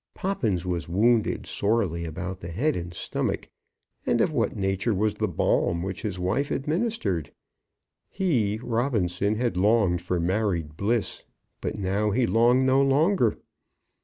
Poppins was wounded sorely about the head and stomach, and of what nature was the balm which his wife administered? He, Robinson, had longed for married bliss, but now he longed no longer.